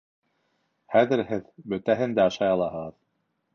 Хәҙер һеҙ бөтәһен дә ашай алаһығыҙ